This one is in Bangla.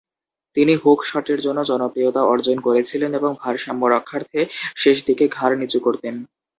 তিনি হুক শটের জন্য জনপ্রিয়তা অর্জন করেছিলেন ও ভারসাম্য রক্ষার্থে শেষদিকে ঘাড় নিচু করতেন।